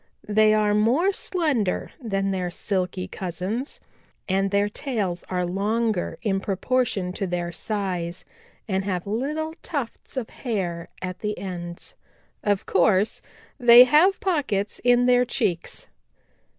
They are more slender than their Silky cousins, and their tails are longer in proportion to their size and have little tufts of hair at the ends. Of course, they have pockets in their cheeks.